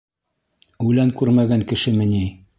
Үлән күрмәгән кешеме ни?